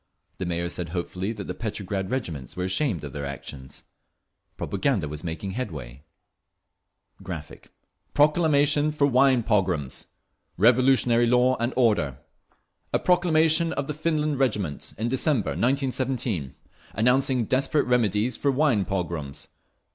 The Mayor said hopefully that the Petrograd regiments were ashamed of their actions; propaganda was making headway. [Graphic, page 205: Proclamation for "wine pogroms"] Revolutionary law and order. A proclamation of the Finland Regiment, in December, 1917, announcing desperate remedies for "wine pogroms."